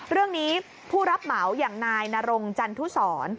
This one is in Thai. เรื่องนี้ผู้รับเหมาอย่างนายนารงจันทุสร